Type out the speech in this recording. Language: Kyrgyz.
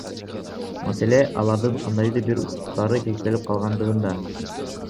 Маселе — алардын кандайдыр бир укуктары чектелип калгандыгында.